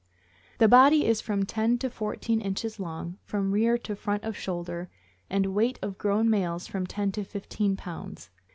The body is from ten to fourteen inches long, from rear to front of shoulder, and weight of grown males from ten to fifteen pounds.